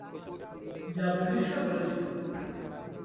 যা ব্রিটিশরা করেছিল।